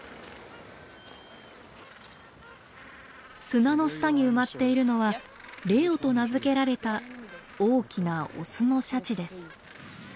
砂の下に埋まっているのはレオと名付けられた大きなオスのシャチです。